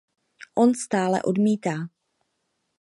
On stále odmítá.